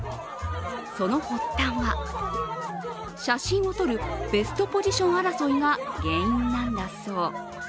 その発端は、写真を撮るベストポジション争いが原因なんだそう。